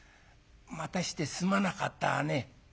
待たしてすまなかったね」。